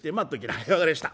「分かりやした！